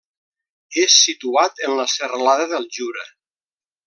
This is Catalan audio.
És situat en la serralada del Jura.